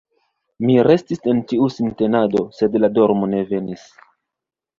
Mi restis en tiu sintenado, sed la dormo ne venis.